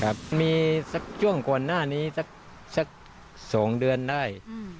ครับมีสักช่วงก่อนหน้านี้สัก๒เดือนได้